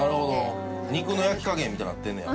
肉の焼き加減みたいになってんねや。